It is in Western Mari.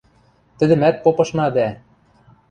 — Тӹдӹмӓт попышна дӓ...